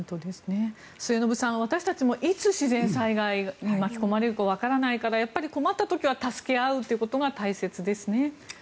末延さん、私たちもいつ、自然災害に巻き込まれるかわからないから困った時は助け合うことが大切ですね。